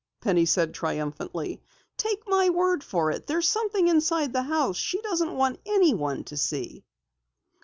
Penny said triumphantly. "Take my word for it, there's something inside the house she doesn't want anyone to see!"